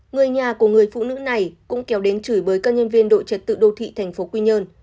người nhà của người phụ nữ này cũng kéo đến chửi bới các nhân viên đội trật tự đô thị thành phố quy nhơn